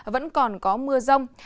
vẫn còn có mưa rông